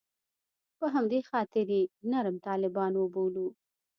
په همدې خاطر یې نرم طالبان وبولو.